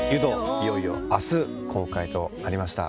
いよいよ明日公開となりました。